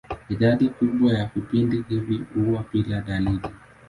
Idadi kubwa ya vipindi hivi huwa bila dalili.